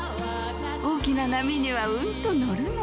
大きな波にはうんと乗るの。